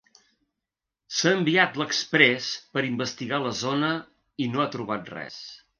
S'ha enviat l'"Express" per investigar la zona i no ha trobat res.